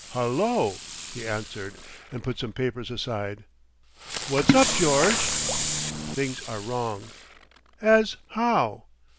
"Hul_lo!_" he answered, and put some papers aside. "What's up, George?" "Things are wrong." "As how?"